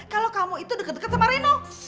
kalau kamu itu deket deket sama reno